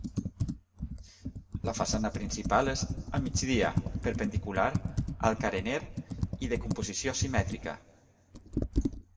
La façana principal és a migdia, perpendicular al carener i de composició simètrica.